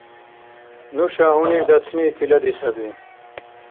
Нуша гьунирдатни тилади саби.